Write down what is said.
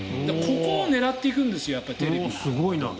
ここを狙っていくんですよテレビは。